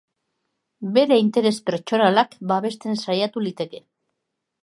Bere interes pertsonalak babesten saiatu liteke.